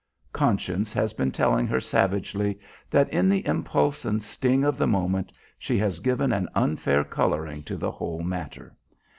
Conscience has been telling her savagely that in the impulse and sting of the moment she has given an unfair coloring to the whole matter.